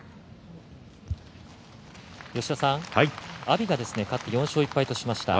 阿炎が勝って４勝１敗としました。